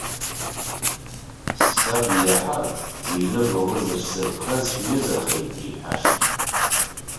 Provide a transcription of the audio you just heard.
Саб иаҳар, зыҩны былны зыҽзырԥхаз шәиҩызахеит иҳәашт.